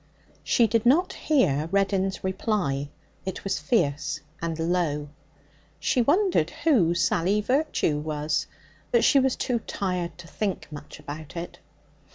She did not hear Reddin's reply; it was fierce and low. She wondered who Sally Virtue was, but she was too tired to think much about it.